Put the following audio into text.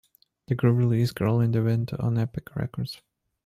The group released "Girl in the Wind" on Epic Records.